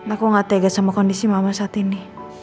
aku gak tega sama kondisi mama saat ini